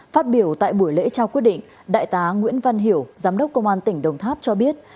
phát biểu tại buổi lễ trao quyết định đại tá nguyễn văn hiểu giám đốc công an tỉnh đồng tháp cho biết